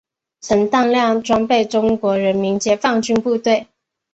曾大量装备中国人民解放军部队。